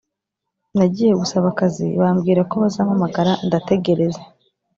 Nagiye gusaba akazi bambwirako bazampamagara ndategereza